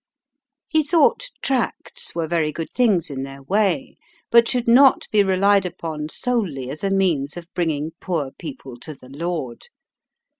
'" He thought tracts were very good things in their way, but should not be relied upon solely as a means of bringing poor people to the Lord.